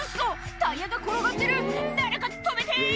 タイヤが転がってる誰か止めて！